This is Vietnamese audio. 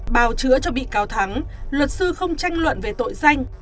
bào chữa cho bị cáo thắng luật sư không tranh luận về tội danh